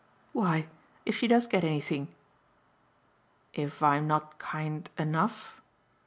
"Why if she does get anything !" "If I'm not kind ENOUGH?"